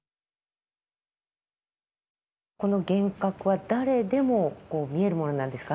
この幻覚は誰でも見えるものなんですか？